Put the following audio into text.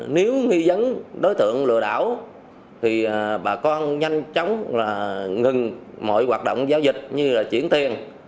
nếu nghi dấn đối tượng lừa đảo thì bà con nhanh chóng ngừng mọi hoạt động giao dịch như là chuyển tiền